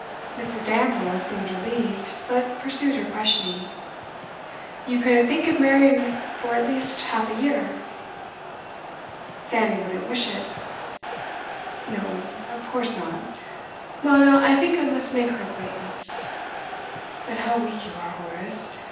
Mrs. Damerel seemed relieved, but pursued her questioning. 'You couldn't think of marrying for at least half a year?' 'Fanny wouldn't wish it.' 'No, of course not, well now, I think I must make her acquaintance. But how weak you are, Horace!